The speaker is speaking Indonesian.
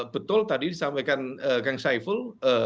betul tadi disampaikan kang saiful